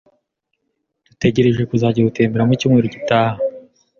Dutegereje kuzajya gutembera mu cyumweru gitaha.